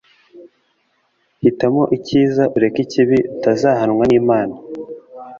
hitamo ikiza ureke ikibi utazahanwa n'imana